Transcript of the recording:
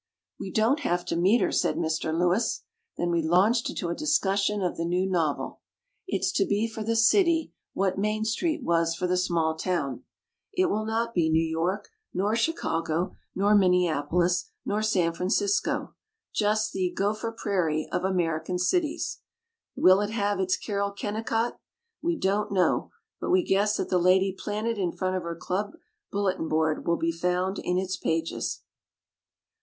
"We don't have to meet her!" said Mr. Lewis. Then we launched into a discussion of the new novel. It's to be for the city, what "Main Street" was for the small town. It will not be New York, nor Chicago, nor Minne apolis, nor San Francisco — just the Gropher Prairie of American cities. Will it have its Carol Kennicott? We don't know; but we guess that the lady planted in front of her club bulle tin board will be found in its pages.